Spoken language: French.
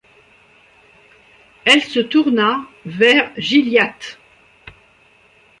Elle se tourna vers Gilliatt.